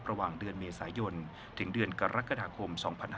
ระหว่างเดือนเมษายนถึงเดือนกรกฎาคม๒๕๕๙